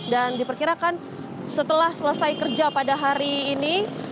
dan diperkirakan setelah selesai kerja pada hari ini